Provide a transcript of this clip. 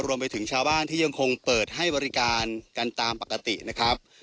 รวมไปถึงชาวบ้านที่ยังคงเปิดให้บริการกันตามปกตินะครับ